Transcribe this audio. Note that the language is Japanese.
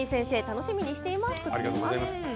楽しみにしています。